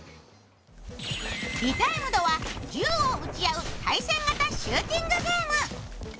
「Ｒｅｔｉｍｅｄ」は銃を撃ち合う対戦型シューティングゲーム。